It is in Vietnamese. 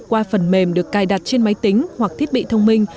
qua phần mềm được cài đặt trên máy tính hoặc thiết bị thông minh